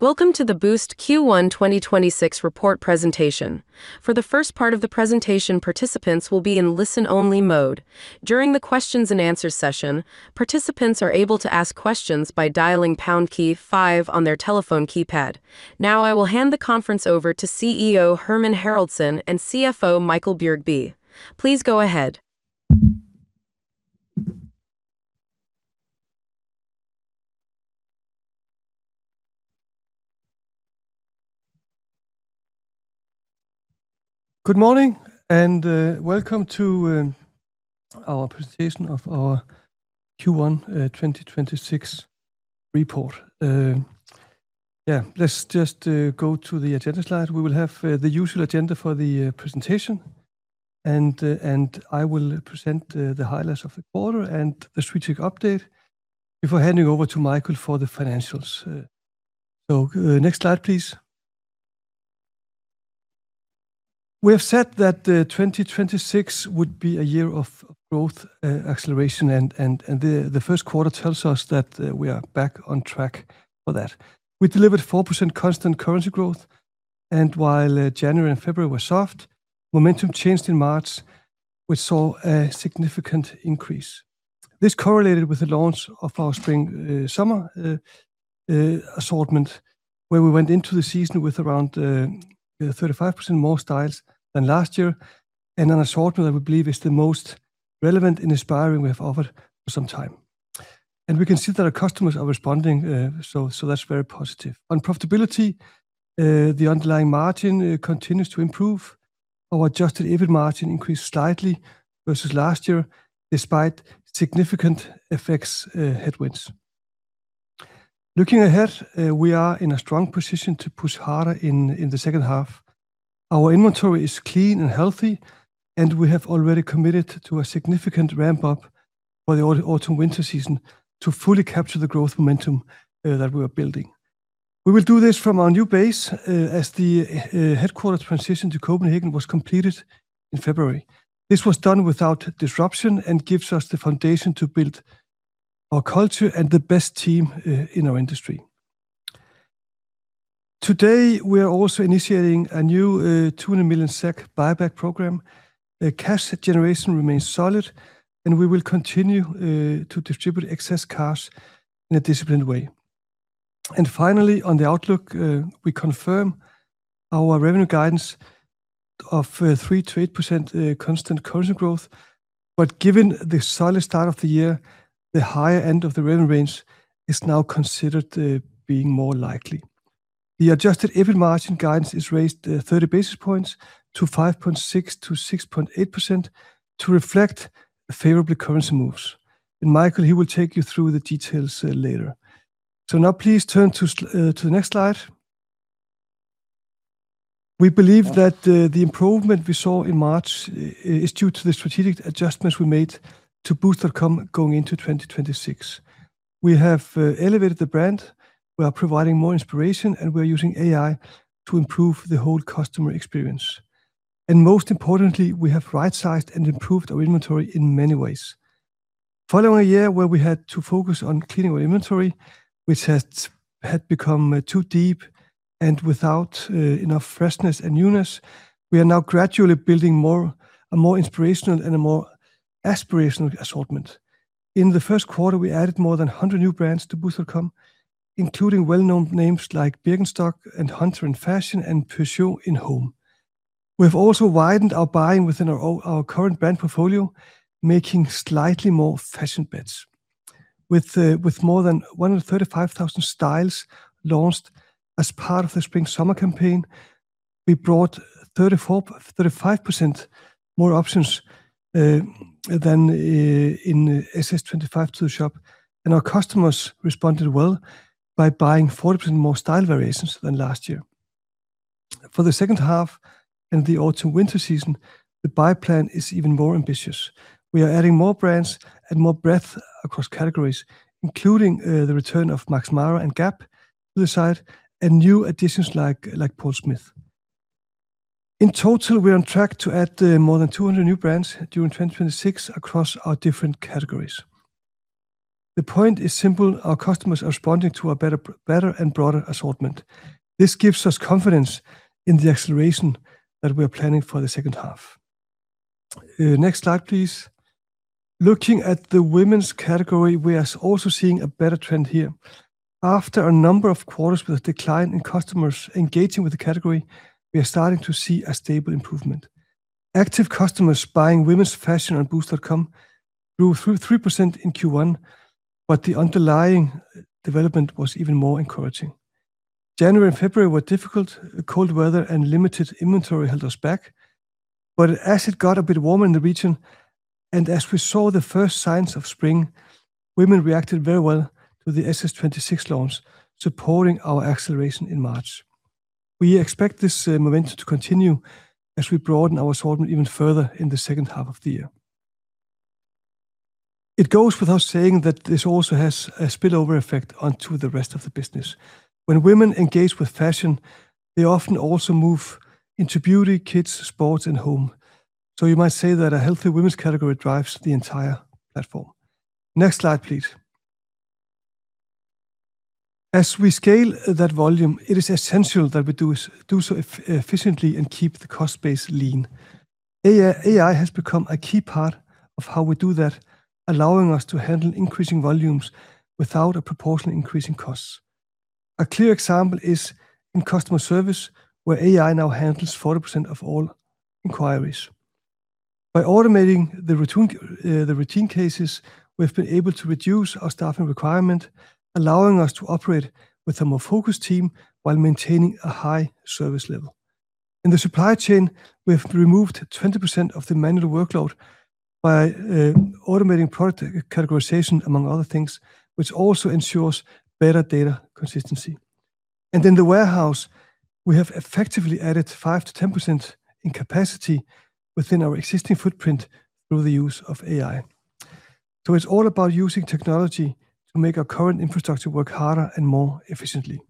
Welcome to the Boozt Q1 2026 report presentation. For the first part of the presentation, participants will be in listen-only mode. During the questions and answers session, participants are able to ask questions by dialing pound key five on their telephone keypad. Now I will hand the conference over to CEO Hermann Haraldsson and CFO Michael Bjergby. Please go ahead. Good morning, and welcome to our presentation of our Q1 2026 report. Yeah, let's just go to the agenda slide. We will have the usual agenda for the presentation, and I will present the highlights of the quarter and the strategic update before handing over to Michael for the financials. Next slide, please. We have said that 2026 would be a year of growth, acceleration, and the first quarter tells us that we are back on track for that. We delivered 4% constant currency growth, and while January and February were soft, momentum changed in March. We saw a significant increase. This correlated with the launch of our spring/summer assortment, where we went into the season with around 35% more styles than last year in an assortment that we believe is the most relevant and inspiring we have offered for some time. We can see that our customers are responding, so that's very positive. On profitability, the underlying margin continues to improve. Our adjusted EBIT margin increased slightly versus last year, despite significant FX headwinds. Looking ahead, we are in a strong position to push harder in the second half. Our inventory is clean and healthy, and we have already committed to a significant ramp-up for the autumn/winter season to fully capture the growth momentum that we're building. We will do this from our new base as the headquarters transition to Copenhagen was completed in February. This was done without disruption and gives us the foundation to build our culture and the best team in our industry. Today, we are also initiating a new 200 million SEK buyback program. The cash generation remains solid, and we will continue to distribute excess cash in a disciplined way. Finally, on the outlook, we confirm our revenue guidance of 3%-8% constant currency growth. Given the solid start of the year, the higher end of the revenue range is now considered being more likely. The adjusted EBIT margin guidance is raised 30 basis points to 5.6%-6.8% to reflect the favorable currency moves. Michael, he will take you through the details later. Now please turn to the next slide. We believe that the improvement we saw in March is due to the strategic adjustments we made to boozt.com going into 2026. We have elevated the brand. We are providing more inspiration, and we're using AI to improve the whole customer experience. Most importantly, we have right-sized and improved our inventory in many ways. Following a year where we had to focus on cleaning our inventory, which had become too deep and without enough freshness and newness, we are now gradually building a more inspirational and a more aspirational assortment. In the first quarter, we added more than 100 new brands to boozt.com, including well-known names like Birkenstock and Hunter in fashion and Peugeot in home. We've also widened our buying within our current brand portfolio, making slightly more fashion bets. With more than 135,000 styles launched as part of the spring/summer campaign, we brought 35% more options than in SS25 to the shop, and our customers responded well by buying 40% more style variations than last year. For the second half and the autumn/winter season, the buy plan is even more ambitious. We are adding more brands and more breadth across categories, including the return of Max Mara and Gap to the site and new additions like Paul Smith. In total, we're on track to add more than 200 new brands during 2026 across our different categories. The point is simple. Our customers are responding to a better and broader assortment. This gives us confidence in the acceleration that we're planning for the second half. Next slide, please. Looking at the women's category, we are also seeing a better trend here. After a number of quarters with a decline in customers engaging with the category, we are starting to see a stable improvement. Active customers buying women's fashion on boozt.com grew 3% in Q1, but the underlying development was even more encouraging. January and February were difficult. Cold weather and limited inventory held us back. As it got a bit warmer in the region, and as we saw the first signs of spring, women reacted very well to the SS26 launch, supporting our acceleration in March. We expect this momentum to continue as we broaden our assortment even further in the second half of the year. It goes without saying that this also has a spillover effect onto the rest of the business. When women engage with fashion, they often also move into beauty, kids, sports, and home. You might say that a healthy women's category drives the entire platform. Next slide, please. As we scale that volume, it is essential that we do so efficiently and keep the cost base lean. AI has become a key part of how we do that, allowing us to handle increasing volumes without a proportional increase in costs. A clear example is in customer service, where AI now handles 40% of all inquiries. By automating the routine cases, we've been able to reduce our staffing requirement, allowing us to operate with a more focused team while maintaining a high service level. In the supply chain, we have removed 20% of the manual workload by automating product categorization, among other things, which also ensures better data consistency. In the warehouse, we have effectively added 5%-10% in capacity within our existing footprint through the use of AI. It's all about using technology to make our current infrastructure work harder and more efficiently.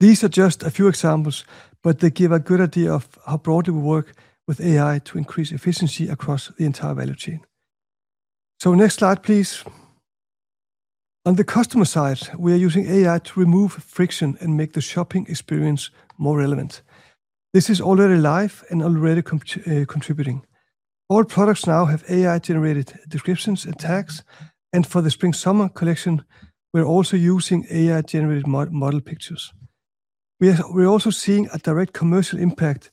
These are just a few examples, but they give a good idea of how broadly we work with AI to increase efficiency across the entire value chain. Next slide, please. On the customer side, we are using AI to remove friction and make the shopping experience more relevant. This is already live and already contributing. All products now have AI-generated descriptions and tags, and for the spring/summer collection, we're also using AI-generated model pictures. We're also seeing a direct commercial impact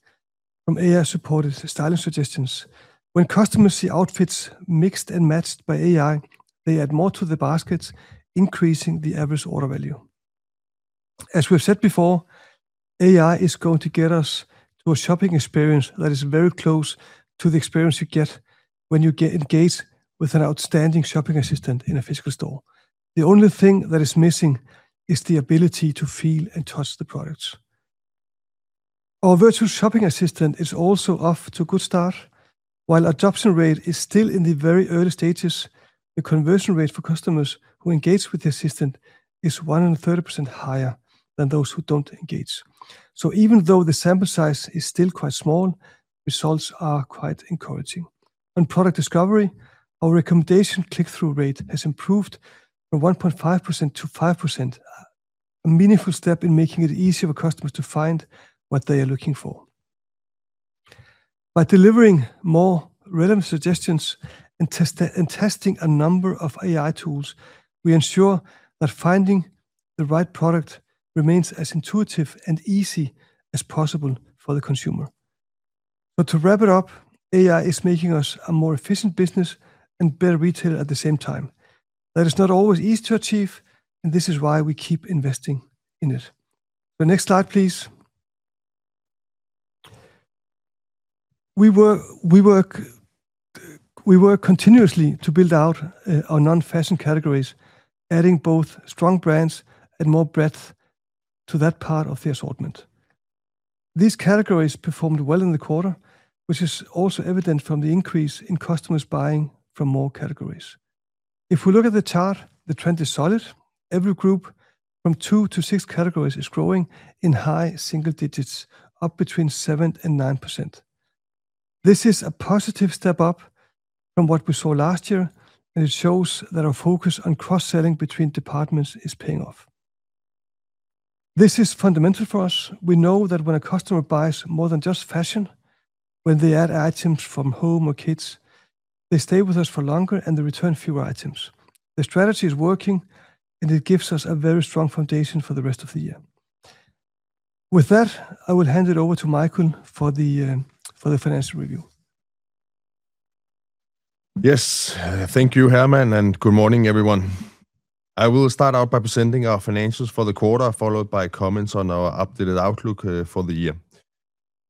from AI-supported styling suggestions. When customers see outfits mixed and matched by AI, they add more to the baskets, increasing the average order value. As we've said before, AI is going to get us to a shopping experience that is very close to the experience you get when you engage with an outstanding shopping assistant in a physical store. The only thing that is missing is the ability to feel and touch the products. Our virtual shopping assistant is also off to a good start. While adoption rate is still in the very early stages, the conversion rate for customers who engage with the assistant is 130% higher than those who don't engage. Even though the sample size is still quite small, results are quite encouraging. On product discovery, our recommendation click-through rate has improved from 1.5%-5%, a meaningful step in making it easier for customers to find what they are looking for. By delivering more relevant suggestions and testing a number of AI tools, we ensure that finding the right product remains as intuitive and easy as possible for the consumer. To wrap it up, AI is making us a more efficient business and better retailer at the same time. That is not always easy to achieve, and this is why we keep investing in it. Next slide, please. We work continuously to build out our non-fashion categories, adding both strong brands and more breadth to that part of the assortment. These categories performed well in the quarter, which is also evident from the increase in customers buying from more categories. If we look at the chart, the trend is solid. Every group from two to six categories is growing in high single digits, up between 7% and 9%. This is a positive step up from what we saw last year, and it shows that our focus on cross-selling between departments is paying off. This is fundamental for us. We know that when a customer buys more than just fashion, when they add items from home or kids, they stay with us for longer, and they return fewer items. The strategy is working, and it gives us a very strong foundation for the rest of the year. With that, I will hand it over to Michael for the financial review. Yes. Thank you, Hermann, and good morning, everyone. I will start out by presenting our financials for the quarter, followed by comments on our updated outlook for the year.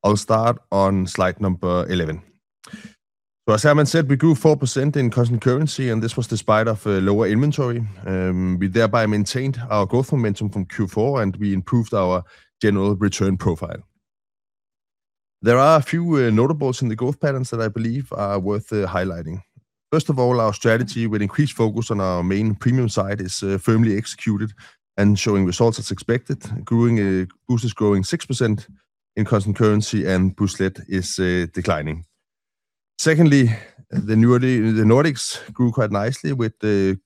I'll start on slide number 11. As Hermann said, we grew 4% in constant currency, and this was despite of lower inventory. We thereby maintained our growth momentum from Q4, and we improved our general return profile. There are a few notables in the growth patterns that I believe are worth highlighting. First of all, our strategy with increased focus on our main premium site is firmly executed and showing results as expected. Boozt is growing 6% in constant currency, and Booztlet is declining. Secondly, the Nordics grew quite nicely with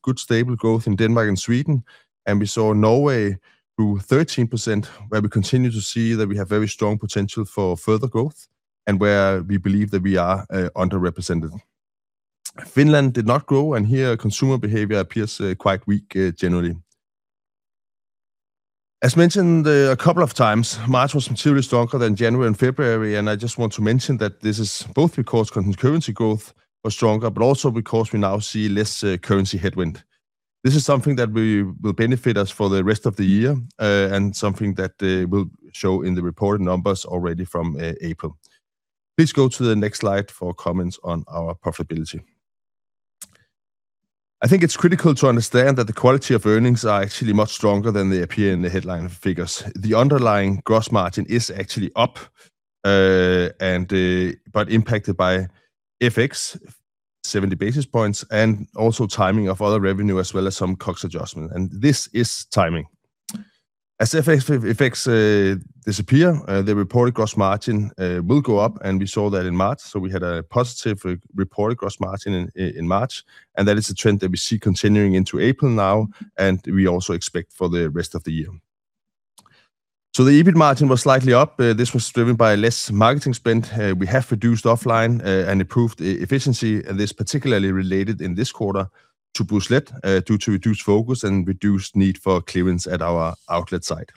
good, stable growth in Denmark and Sweden, and we saw Norway grew 13%, where we continue to see that we have very strong potential for further growth and where we believe that we are underrepresented. Finland did not grow, and here consumer behavior appears quite weak generally. As mentioned a couple of times, March was materially stronger than January and February, and I just want to mention that this is both because constant currency growth was stronger, but also because we now see less currency headwind. This is something that will benefit us for the rest of the year, and something that will show in the reported numbers already from April. Please go to the next slide for comments on our profitability. I think it's critical to understand that the quality of earnings are actually much stronger than they appear in the headline figures. The underlying gross margin is actually up, but impacted by FX, 70 basis points, and also timing of other revenue as well as some COGS adjustment, and this is timing. As FX effects disappear, the reported gross margin will go up, and we saw that in March. We had a positive reported gross margin in March, and that is a trend that we see continuing into April now, and we also expect for the rest of the year. The EBIT margin was slightly up. This was driven by less marketing spend. We have reduced offline and improved efficiency, and this particularly related in this quarter to Booztlet, due to reduced focus and reduced need for clearance at our outlet site.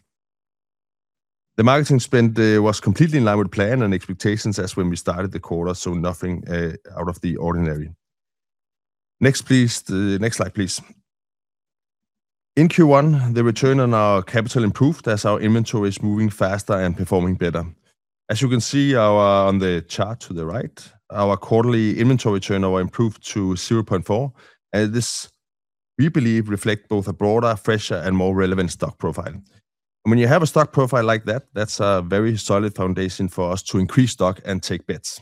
The marketing spend was completely in line with plan and expectations as when we started the quarter, so nothing out of the ordinary. Next slide, please. In Q1, the return on our capital improved as our inventory is moving faster and performing better. As you can see on the chart to the right, our quarterly inventory turnover improved to 0.4. This, we believe, reflect both a broader, fresher, and more relevant stock profile. When you have a stock profile like that's a very solid foundation for us to increase stock and take bets.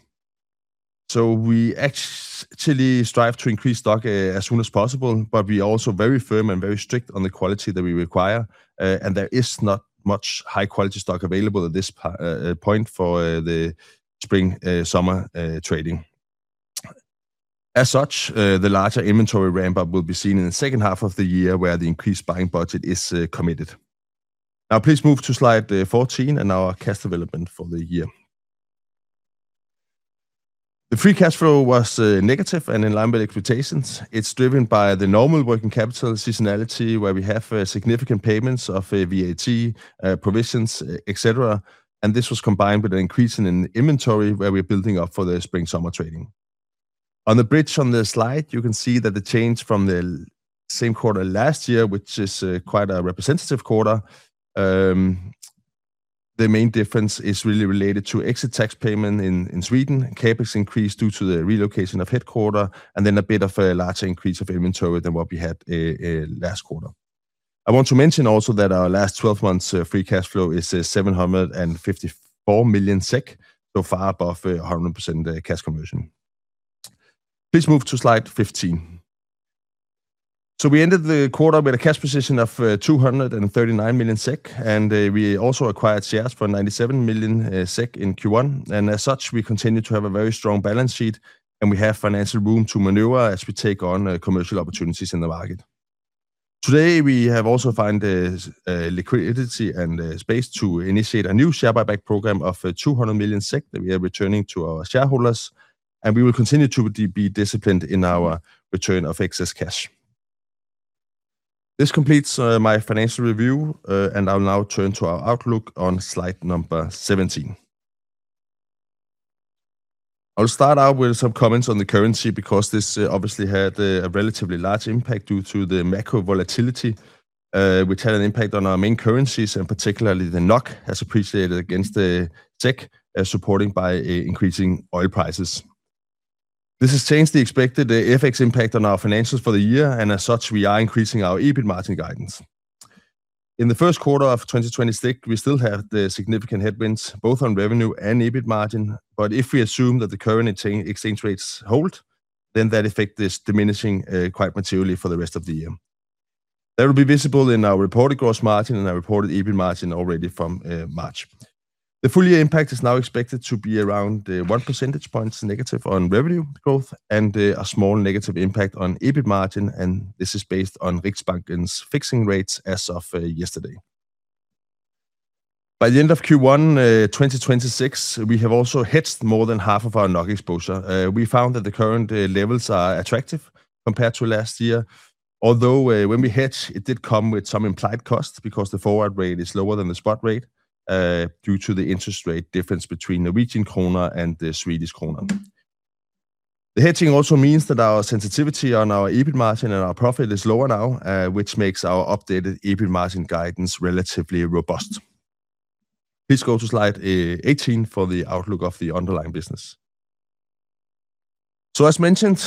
We actually strive to increase stock as soon as possible, but we are also very firm and very strict on the quality that we require. There is not much high-quality stock available at this point for the spring-summer trading. As such, the larger inventory ramp up will be seen in the second half of the year, where the increased buying budget is committed. Now please move to slide 14 and our cash development for the year. The free cash flow was negative and in line with expectations. It's driven by the normal working capital seasonality, where we have significant payments of VAT, provisions, et cetera, and this was combined with an increase in inventory where we're building up for the spring-summer trading. On the bridge on the slide, you can see that the change from the same quarter last year, which is quite a representative quarter. The main difference is really related to exit tax payment in Sweden, CapEx increase due to the relocation of headquarters, and then a bit of a larger increase of inventory than what we had last quarter. I want to mention also that our last 12 months free cash flow is 754 million SEK, so far above 100% cash conversion. Please move to slide 15. We ended the quarter with a cash position of 239 million SEK, and we also acquired shares for 97 million SEK in Q1. As such, we continue to have a very strong balance sheet, and we have financial room to maneuver as we take on commercial opportunities in the market. Today, we have also found the liquidity and space to initiate a new share buyback program of 200 million SEK that we are returning to our shareholders, and we will continue to be disciplined in our return of excess cash. This completes my financial review, and I'll now turn to our outlook on slide number 17. I'll start out with some comments on the currency because this obviously had a relatively large impact due to the macro volatility, which had an impact on our main currencies, and particularly the NOK has appreciated against the SEK, supported by increasing oil prices. This has changed the expected FX impact on our financials for the year, and as such, we are increasing our EBIT margin guidance. In the first quarter of 2026, we still have the significant headwinds both on revenue and EBIT margin, but if we assume that the current exchange rates hold, then that effect is diminishing quite materially for the rest of the year. That will be visible in our reported gross margin and our reported EBIT margin already from March. The full year impact is now expected to be around one percentage point negative on revenue growth and a small negative impact on EBIT margin. This is based on Riksbanken's fixing rates as of yesterday. By the end of Q1 2026, we have also hedged more than half of our NOK exposure. We found that the current levels are attractive compared to last year, although when we hedge, it did come with some implied costs because the forward rate is lower than the spot rate due to the interest rate difference between Norwegian krone and the Swedish krone. The hedging also means that our sensitivity on our EBIT margin and our profit is lower now, which makes our updated EBIT margin guidance relatively robust. Please go to slide 18 for the outlook of the underlying business. As mentioned,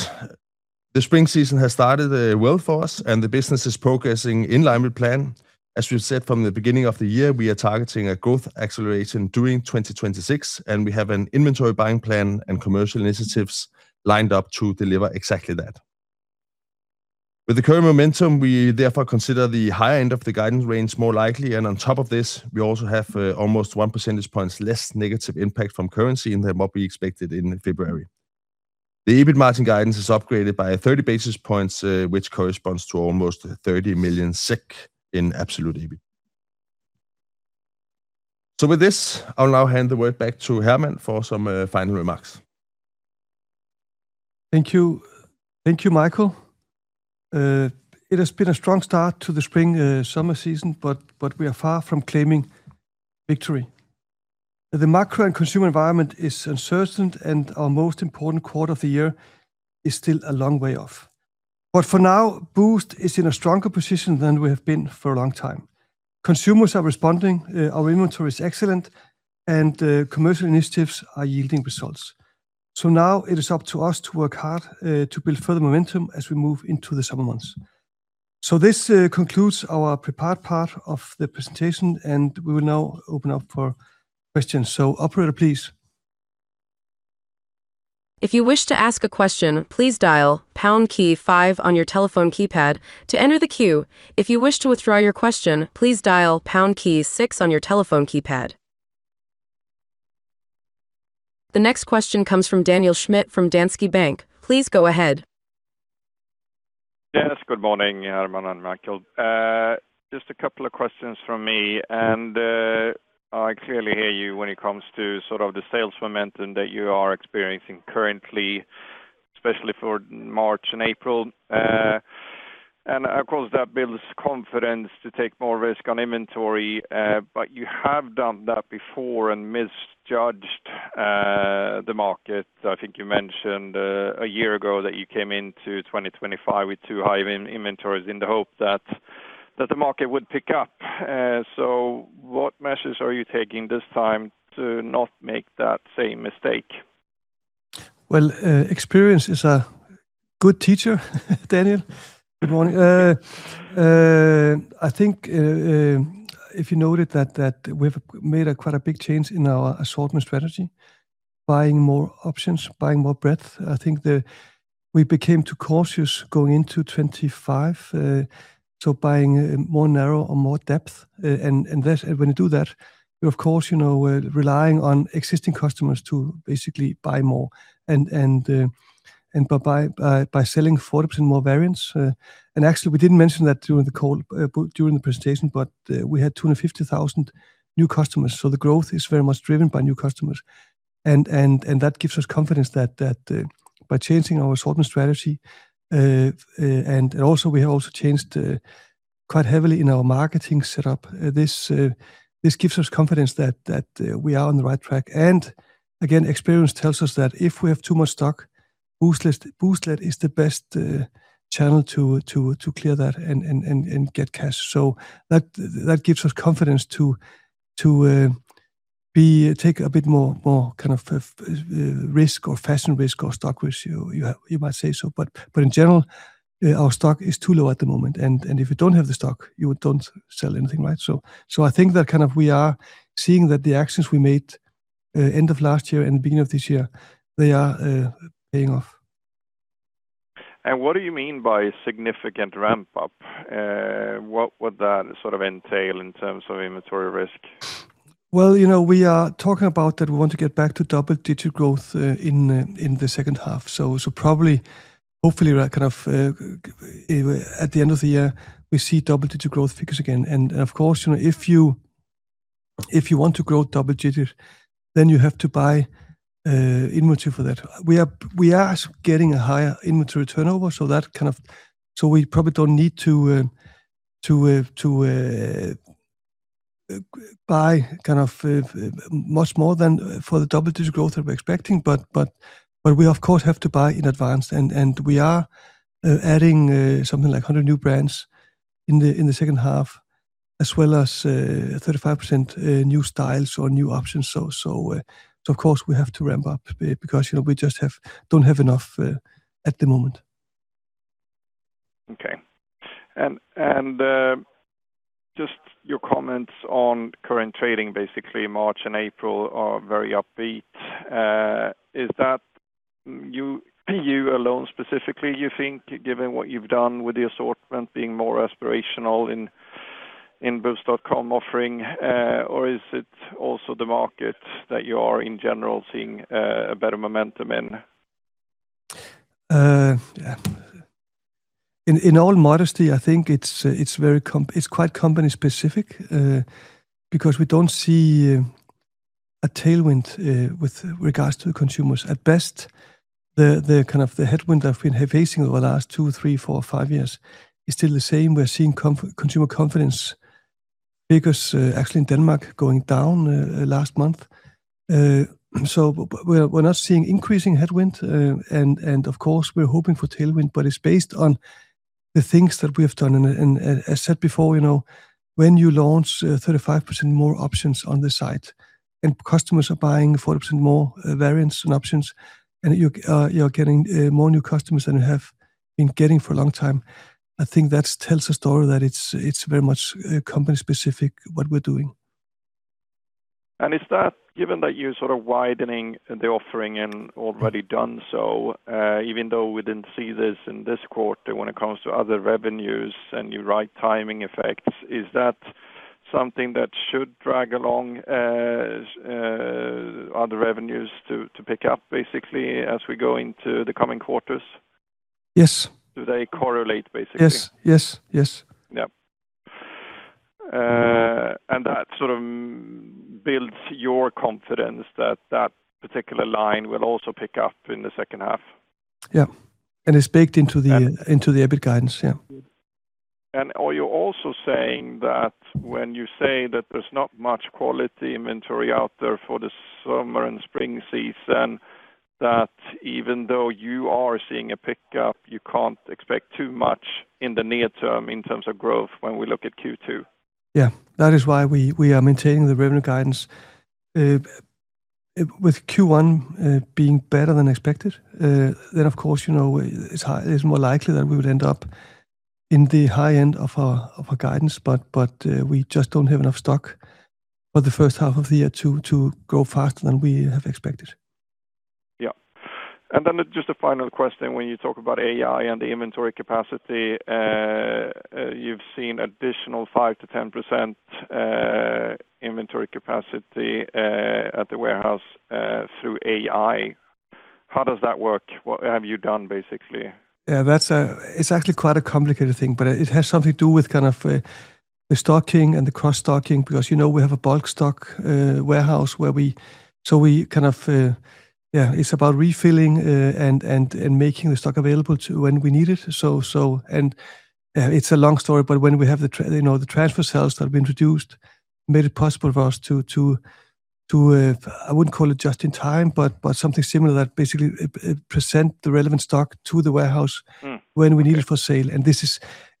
the spring season has started well for us, and the business is progressing in line with plan. As we've said from the beginning of the year, we are targeting a growth acceleration during 2026, and we have an inventory buying plan and commercial initiatives lined up to deliver exactly that. With the current momentum, we therefore consider the higher end of the guidance range more likely, and on top of this, we also have almost one percentage point less negative impact from currency than what we expected in February. The EBIT margin guidance is upgraded by 30 basis points, which corresponds to almost 30 million SEK in absolute EBIT. With this, I'll now hand the word back to Hermann for some final remarks. Thank you. Thank you, Michael. It has been a strong start to the spring/summer season, but we are far from claiming victory. The macro and consumer environment is uncertain, and our most important quarter of the year is still a long way off. For now, Boozt is in a stronger position than we have been for a long time. Consumers are responding, our inventory is excellent, and commercial initiatives are yielding results. Now it is up to us to work hard to build further momentum as we move into the summer months. This concludes our prepared part of the presentation, and we will now open up for questions. Operator, please. If you wish to ask a question, please dial pound key five on your telephone keypad to enter the queue. If you wish to withdraw your question, please dial pound key six on your telephone keypad. The next question comes from Daniel Schmidt from Danske Bank. Please go ahead. Yes, good morning, Hermann and Michael. Just a couple of questions from me. I clearly hear you when it comes to sort of the sales momentum that you are experiencing currently, especially for March and April. Of course, that builds confidence to take more risk on inventory, but you have done that before and misjudged the market. I think you mentioned a year ago that you came into 2025 with too high inventories in the hope that the market would pick up. What measures are you taking this time to not make that same mistake? Well, experience is a good teacher, Daniel. Good morning. I think, if you noted that we've made quite a big change in our assortment strategy, buying more options, buying more breadth. I think that we became too cautious going into 2025, so buying more narrow or more depth. When you do that, you, of course, are relying on existing customers to basically buy more. By selling 40% more variants, and actually we didn't mention that during the presentation, but, we had 250,000 new customers, so the growth is very much driven by new customers. That gives us confidence that by changing our assortment strategy, and also we have also changed quite heavily in our marketing setup. This gives us confidence that we are on the right track, and again, experience tells us that if we have too much stock, Booztlet is the best channel to clear that and get cash. That gives us confidence to take a bit more kind of risk, or fashion risk, or stock risk, you might say so. In general, our stock is too low at the moment, and if you don't have the stock, you don't sell anything, right? I think that kind of we are seeing that the actions we made end of last year and the beginning of this year, they are paying off. What do you mean by significant ramp-up? What would that sort of entail in terms of inventory risk? Well, we are talking about that we want to get back to double-digit growth in the second half. Probably, hopefully at the end of the year we see double-digit growth figures again. Of course, if you want to grow double digits, then you have to buy inventory for that. We are getting a higher inventory turnover, so we probably don't need to buy kind of much more than for the double-digit growth that we're expecting. We of course have to buy in advance, and we are adding something like 100 new brands in the second half as well as 35% new styles or new options. Of course we have to ramp up because we just don't have enough at the moment. Okay. Just your comments on current trading, basically March and April are very upbeat. Is that you alone specifically, you think, given what you've done with the assortment being more aspirational in boozt.com offering? Or is it also the market that you are in general seeing a better momentum in? In all modesty, I think it's quite company specific, because we don't see a tailwind with regards to the consumers. At best, the kind of the headwind that we've been facing over the last two, three, four, five years is still the same. We're seeing consumer confidence figures, actually in Denmark, going down last month. We're not seeing increasing headwind. Of course we're hoping for tailwind, but it's based on the things that we have done. As said before, when you launch 35% more options on the site and customers are buying 40% more variants and options, and you're getting more new customers than you have been getting for a long time, I think that tells a story that it's very much company specific what we're doing. Is that given that you're sort of widening the offering and already done so, even though we didn't see this in this quarter when it comes to other revenues and you're right, timing effects, is that something that should drag along other revenues to pick up basically as we go into the coming quarters? Yes. Do they correlate, basically? Yes. Yeah. That sort of builds your confidence that that particular line will also pick up in the second half? Yeah. It's baked into the EBIT guidance, yeah. Are you also saying that when you say that there's not much quality inventory out there for the summer and spring season, that even though you are seeing a pickup, you can't expect too much in the near term in terms of growth when we look at Q2? Yeah. That is why we are maintaining the revenue guidance. With Q1 being better than expected, then of course, it's more likely that we would end up in the high end of our guidance, but we just don't have enough stock for the first half of the year to grow faster than we have expected. Yeah. Just a final question. When you talk about AI and the inventory capacity, you've seen additional 5%-10% inventory capacity at the warehouse through AI. How does that work? What have you done, basically? Yeah. It's actually quite a complicated thing, but it has something to do with the stocking and the cross-stocking, because we have a bulk stock warehouse. It's about refilling and making the stock available when we need it. It's a long story, but when we have the transfer cells that have been introduced, made it possible for us to, I wouldn't call it just in time, but something similar that basically present the relevant stock to the warehouse. Okay.... when we need it for sale.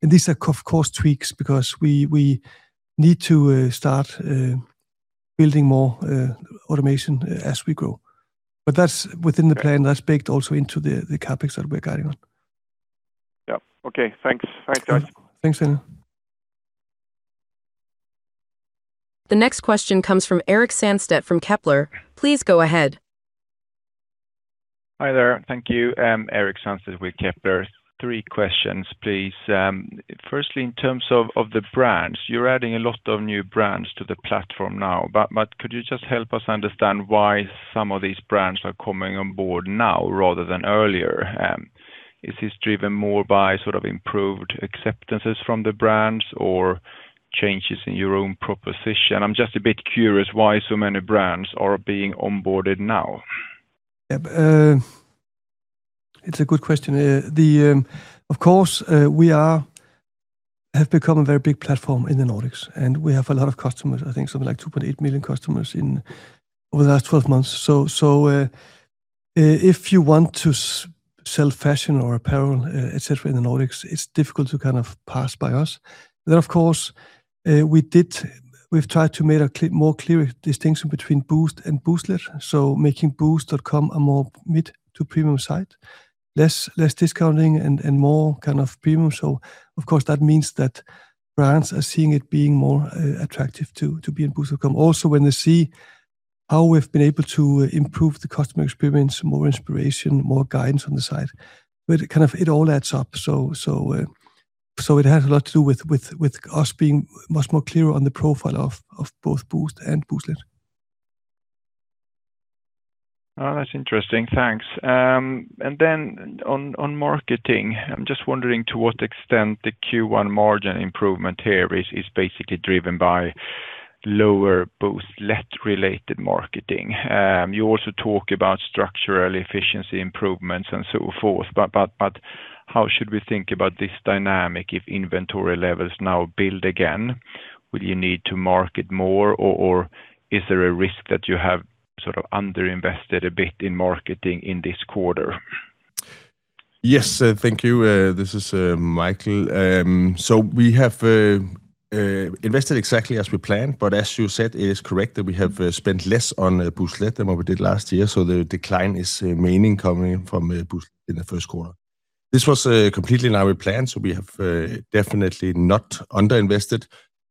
These are, of course, tweaks because we need to start building more automation as we grow. That's within the plan. That's baked also into the CapEx that we're guiding on. Yeah. Okay. Thanks. Thanks, guys. Thanks, Daniel. The next question comes from Erik Sandstedt from Kepler. Please go ahead. Hi there. Thank you. Erik Sandstedt with Kepler Cheuvreux. Three questions, please. Firstly, in terms of the brands, you're adding a lot of new brands to the platform now, but could you just help us understand why some of these brands are coming on board now rather than earlier? Is this driven more by sort of improved acceptances from the brands or changes in your own proposition? I'm just a bit curious why so many brands are being onboarded now. It's a good question. Of course, we have become a very big platform in the Nordics, and we have a lot of customers, I think something like 2.8 million customers over the last 12 months. If you want to sell fashion or apparel, et cetera, in the Nordics, it's difficult to kind of pass by us. Of course, we've tried to make a more clear distinction between Boozt and Booztlet, so making boozt.com a more mid to premium site, less discounting and more kind of premium. Of course, that means that brands are seeing it being more attractive to be on boozt.com. Also, when they see how we've been able to improve the customer experience, more inspiration, more guidance on the site, but it all adds up. It has a lot to do with us being much more clearer on the profile of both Boozt and Booztlet. Oh, that's interesting. Thanks. Then on marketing, I'm just wondering to what extent the Q1 margin improvement here is basically driven by lower Booztlet related marketing. You also talk about structural efficiency improvements and so forth. How should we think about this dynamic if inventory levels now build again? Will you need to market more, or is there a risk that you have sort of underinvested a bit in marketing in this quarter? Yes. Thank you. This is Michael. We have invested exactly as we planned, but as you said, it is correct that we have spent less on Booztlet than what we did last year. The decline is mainly coming from Boozt in the first quarter. This was completely in our plan, so we have definitely not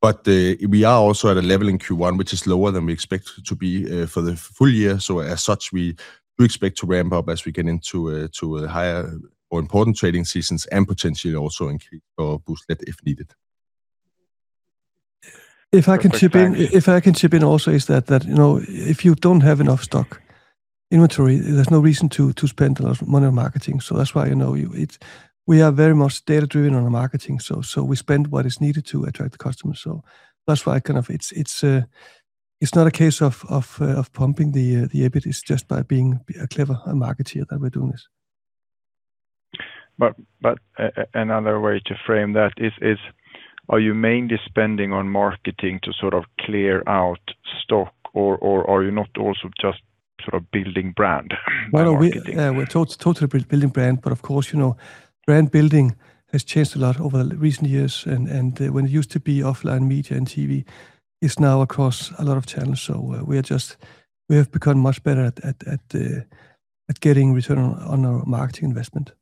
underinvested. We are also at a level in Q1, which is lower than we expect to be for the full year. As such, we do expect to ramp up as we get into a higher, more important trading seasons and potentially also increase our Booztlet if needed. If I can chip in also, it's that if you don't have enough stock inventory, there's no reason to spend a lot of money on marketing. That's why we are very much data-driven on our marketing. We spend what is needed to attract the customers. That's why it's not a case of pumping the EBIT. It's just by being clever on marketing that we're doing this. Another way to frame that is, are you mainly spending on marketing to sort of clear out stock, or are you not also just sort of building brand? No, we're totally building brand, but of course, brand building has changed a lot over recent years. When it used to be offline media and TV is now across a lot of channels. We have become much better at getting return on our marketing investment.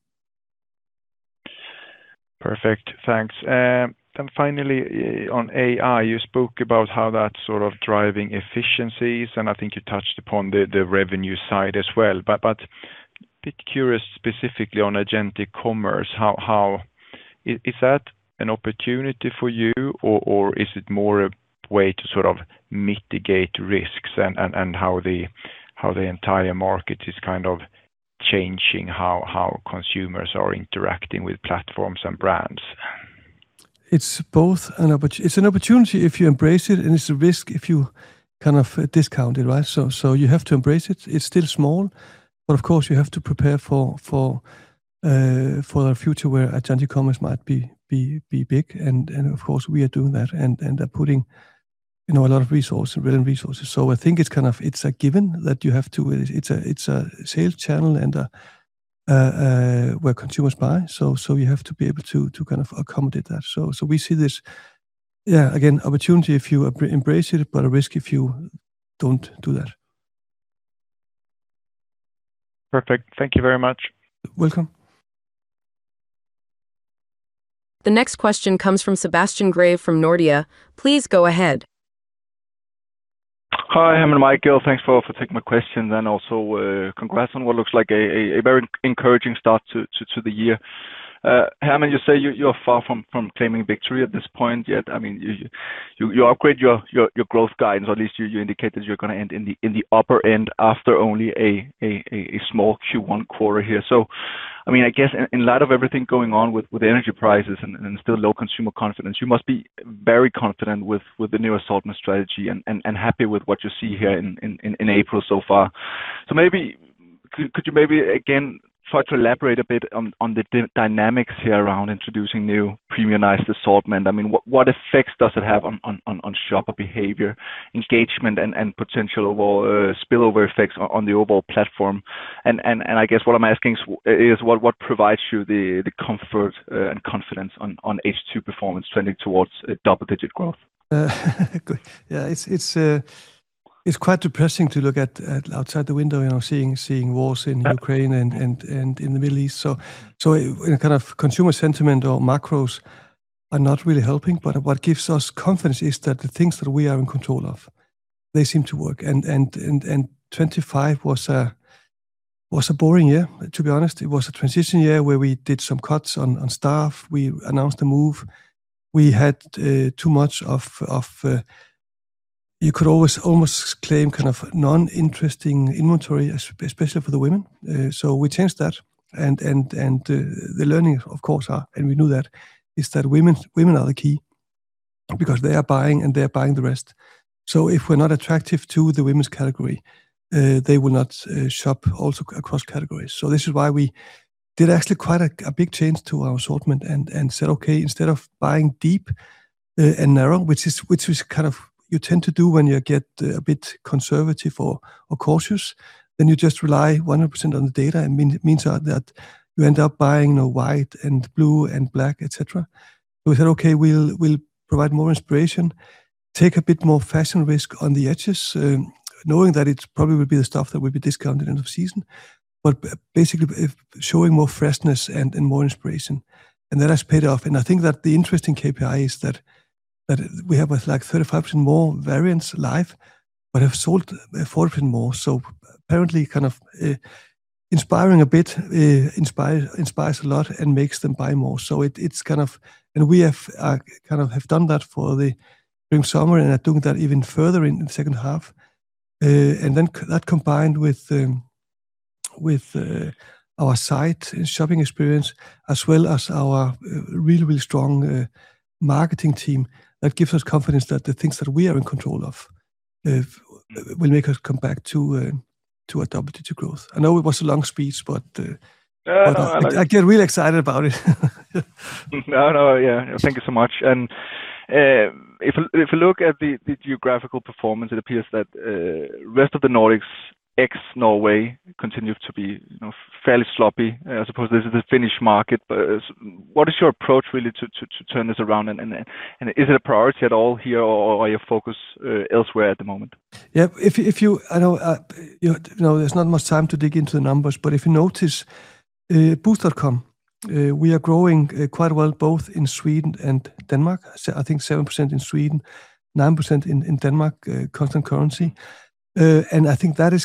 Perfect. Thanks. Finally, on AI, you spoke about how that's sort of driving efficiencies, and I think you touched upon the revenue side as well. A bit curious specifically on agentic commerce. Is that an opportunity for you, or is it more a way to sort of mitigate risks and how the entire market is kind of changing how consumers are interacting with platforms and brands? It's both. It's an opportunity if you embrace it, and it's a risk if you kind of discount it, right? You have to embrace it. It's still small, but of course you have to prepare for a future where agentic commerce might be big. Of course we are doing that and are putting a lot of resources, relevant resources. I think it's a given that you have to. It's a sales channel and where consumers buy. You have to be able to kind of accommodate that. We see this, yeah, again, opportunity if you embrace it, but a risk if you don't do that. Perfect. Thank you very much. Welcome. The next question comes from Sebastian Grave from Nordea. Please go ahead. Hi, Hermann and Michael. Thanks for taking my questions, and also congrats on what looks like a very encouraging start to the year. Hermann, you say you're far from claiming victory at this point yet. You upgrade your growth guidance, or at least you indicate that you're going to end in the upper end after only a small Q1 quarter here. I guess in light of everything going on with energy prices and still low consumer confidence, you must be very confident with the new assortment strategy and happy with what you see here in April so far. Could you maybe, again, try to elaborate a bit on the dynamics here around introducing new premiumized assortment? What effects does it have on shopper behavior, engagement and potential spillover effects on the overall platform? I guess what I'm asking is what provides you the comfort and confidence on H2 performance trending towards double-digit growth? Good. Yeah. It's quite depressing to look outside the window, seeing wars in Ukraine and in the Middle East. Consumer sentiment or macros are not really helping. What gives us confidence is that the things that we are in control of, they seem to work. 2025 was a boring year, to be honest. It was a transition year where we did some cuts on staff. We announced a move. We had too much of, you could almost claim non-interesting inventory, especially for the women. We changed that and the learning, of course, and we knew that, is that women are the key because they are buying and they're buying the rest. If we're not attractive to the women's category, they will not shop also across categories. This is why we did actually quite a big change to our assortment and said, "Okay, instead of buying deep and narrow," which is kind of, you tend to do when you get a bit conservative or cautious, then you just rely 100% on the data. It means that you end up buying the white and blue and black, et cetera. We said, "Okay, we'll provide more inspiration, take a bit more fashion risk on the edges," knowing that it probably will be the stuff that will be discounted end of season. Basically, showing more freshness and more inspiration. That has paid off. I think that the interesting KPI is that we have 35% more variants live but have sold 40% more. Apparently, inspiring a bit, inspires a lot and makes them buy more. It's kind of. We have done that for the spring/summer and are doing that even further in the second half. That combined with our site and shopping experience, as well as our really strong marketing team, that gives us confidence that the things that we are in control of will make us come back to our double-digit growth. I know it was a long speech, but. No. I get really excited about it. No, yeah. Thank you so much. If you look at the geographical performance, it appears that rest of the Nordics, ex-Norway, continues to be fairly sloppy. I suppose this is the Finnish market. What is your approach really to turn this around, and is it a priority at all here, or are you focused elsewhere at the moment? Yeah. There's not much time to dig into the numbers, but if you notice boozt.com, we are growing quite well both in Sweden and Denmark. I think 7% in Sweden, 9% in Denmark, constant currency. I think that is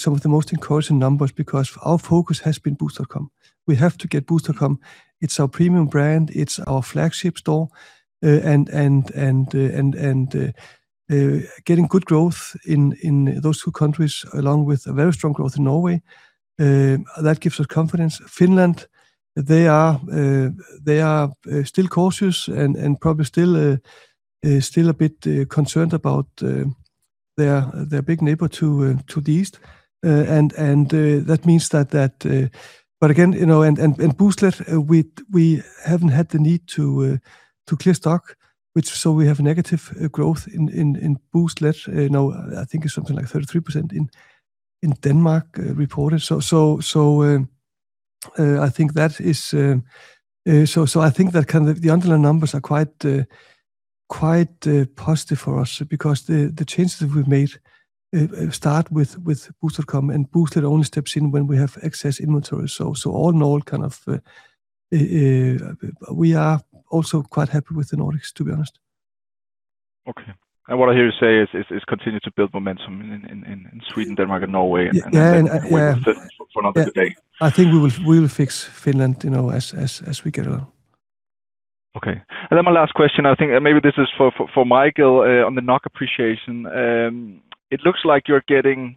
some of the most encouraging numbers because our focus has been boozt.com. We have to get boozt.com. It's our premium brand, it's our flagship store, and getting good growth in those two countries, along with very strong growth in Norway, that gives us confidence. Finland, they are still cautious and probably still a bit concerned about their big neighbor to the east. That means that. Again, in Booztlet we haven't had the need to clear stock, so we have negative growth in Booztlet. I think it's something like 33% in Denmark reported. I think the underlying numbers are quite positive for us because the changes that we've made start with boozt.com and Booztlet only steps in when we have excess inventory. All in all, we are also quite happy with the Nordics, to be honest. Okay. What I hear you say is continue to build momentum in Sweden, Denmark and Norway and Yeah Wait for another day. I think we will fix Finland as we get along. Okay. My last question, I think maybe this is for Michael on the NOK appreciation. It looks like you're getting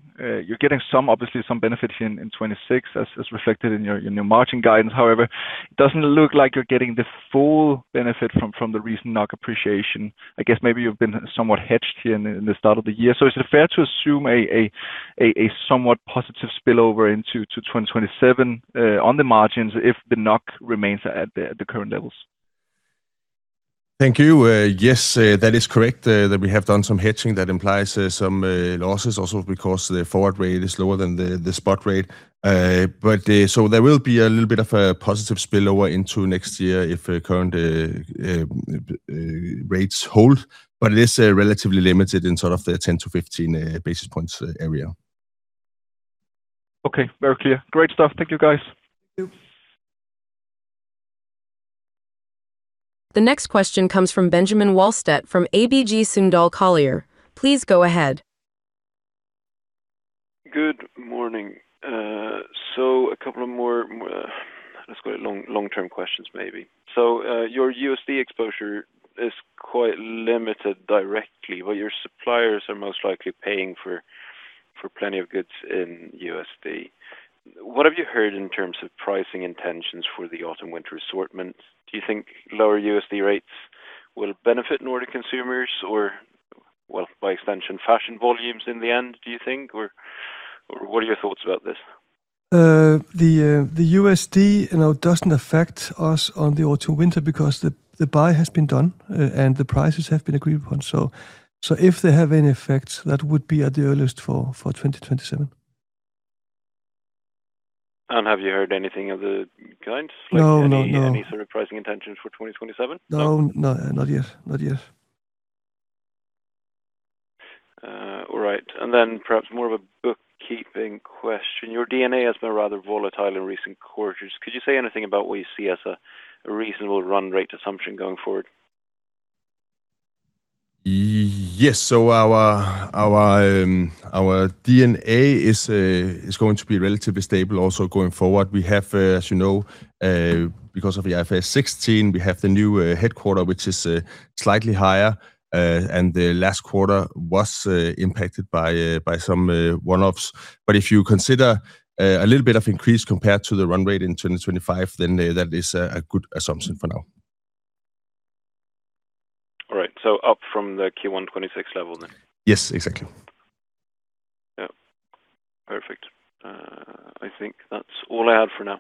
obviously some benefits here in 2026 as reflected in your margin guidance. However, it doesn't look like you're getting the full benefit from the recent NOK appreciation. I guess maybe you've been somewhat hedged here in the start of the year. Is it fair to assume a somewhat positive spillover into 2027 on the margins if the NOK remains at the current levels? Thank you. Yes, that is correct, that we have done some hedging that implies some losses also because the forward rate is lower than the spot rate. There will be a little bit of a positive spillover into next year if current rates hold. It is relatively limited in sort of the 10-15 basis points area. Okay, very clear. Great stuff. Thank you, guys. Thank you. The next question comes from Benjamin Wahlstedt from ABG Sundal Collier. Please go ahead. Good morning. A couple of more, let's call it long-term questions, maybe. Your USD exposure is quite limited directly, but your suppliers are most likely paying for plenty of goods in USD. What have you heard in terms of pricing intentions for the autumn-winter assortment? Do you think lower USD rates will benefit Nordic consumers or, well, by extension, fashion volumes in the end, do you think? Or what are your thoughts about this? The US dollar doesn't affect us on the autumn-winter because the buy has been done and the prices have been agreed upon. If they have any effect, that would be at the earliest for 2027. Have you heard anything of the kind? No. Like any sort of pricing intentions for 2027? No, not yet. All right. Perhaps more of a bookkeeping question. Your D&A has been rather volatile in recent quarters. Could you say anything about what you see as a reasonable run rate assumption going forward? Yes. Our D&A is going to be relatively stable also going forward. We have, as you know, because of the IFRS 16, we have the new headquarters, which is slightly higher. The last quarter was impacted by some one-offs. If you consider a little bit of increase compared to the run rate in 2025, then that is a good assumption for now. All right. Up from the Q1 2026 level then? Yes, exactly. Yep. Perfect. I think that's all I have for now.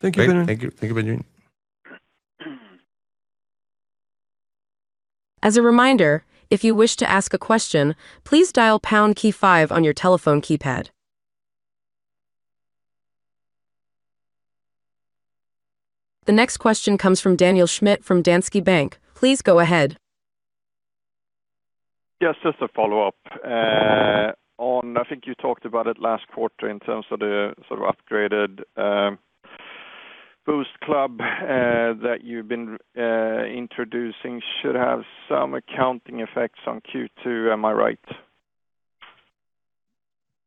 Thank you, Benjamin. Thank you, Benjamin. As reminder if you wish to ask a question please dial pound five on your telephone keypad. The next question comes from Daniel Schmidt from Danske Bank. Please go ahead. Yes, just a follow-up on, I think you talked about it last quarter in terms of the sort of upgraded Club Boozt that you've been introducing should have some accounting effects on Q2. Am I right?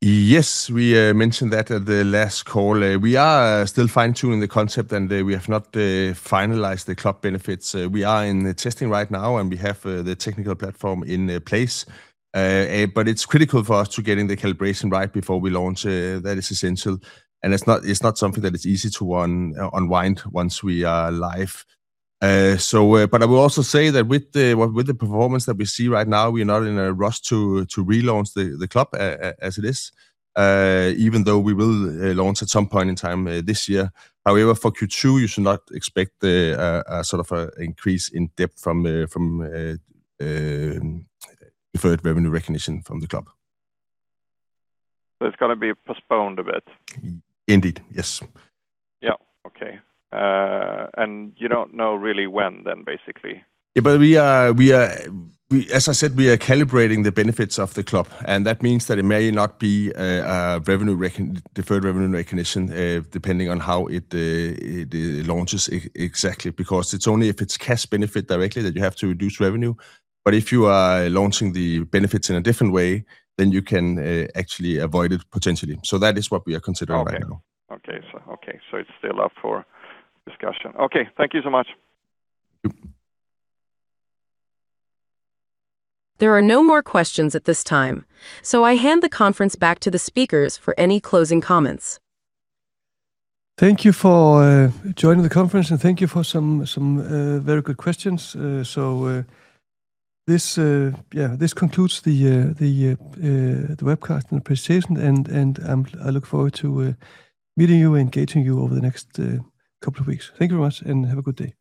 Yes. We mentioned that at the last call. We are still fine-tuning the concept, and we have not finalized the club benefits. We are in the testing right now, and we have the technical platform in place. It's critical for us to getting the calibration right before we launch. That is essential, and it's not something that is easy to unwind once we are live. I will also say that with the performance that we see right now, we are not in a rush to relaunch the club as it is, even though we will launch at some point in time this year. However, for Q2, you should not expect a sort of increase in depth from deferred revenue recognition from the club. It's going to be postponed a bit? Indeed. Yes. Yeah. Okay. You don't know really when then, basically? As I said, we are calibrating the benefits of the club, and that means that it may not be deferred revenue recognition, depending on how it launches exactly, because it's only if it's cash benefit directly that you have to reduce revenue. If you are launching the benefits in a different way, then you can actually avoid it, potentially. That is what we are considering right now. Okay. It's still up for discussion. Okay. Thank you so much. Thank you. There are no more questions at this time, so I hand the conference back to the speakers for any closing comments. Thank you for joining the conference, and thank you for some very good questions. This concludes the webcast and the presentation, and I look forward to meeting you and engaging you over the next couple of weeks. Thank you very much, and have a good day.